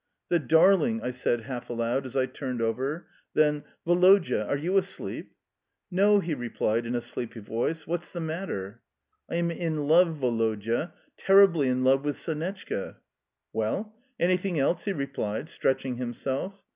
"The darling!" I said, half aloud, as I turned over; then, "Woloda, are you asleep?" "No," he replied in a sleepy voice. "What's the matter?" "I am in love, Woloda terribly in love with Sonetchka" "Well? Anything else?" he replied, stretching himself.